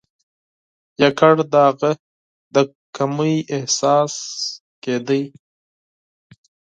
یوازي د هغه د کمۍ احساس کېده.